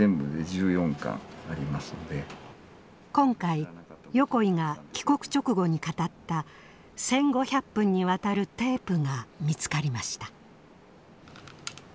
今回横井が帰国直後に語った１，５００分にわたるテープが見つかりました。